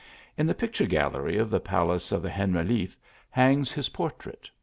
In the picture gallery of the Palace of the Generaliffe, hangs his portrait.